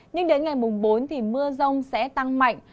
nhưng đến ngày mùng bốn thì mưa rông sẽ tăng mạnh